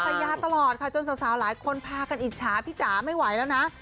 ภรรยาตลอดค่ะจนสาวหลายคนพากันอิจฉาพี่จ๋าไม่ไหวแล้วนะ